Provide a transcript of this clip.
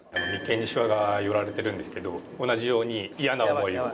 眉間にしわが寄られてるんですけど同じようにイヤな思いを。